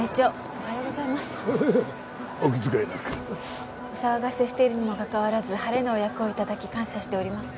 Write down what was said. お騒がせしているにもかかわらず晴れのお役を頂き感謝しております。